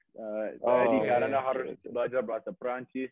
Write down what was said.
di kanada harus belajar bahasa perancis